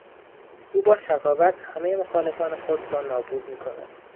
او با شقاوت همهی مخالفان خود را نابود میکند.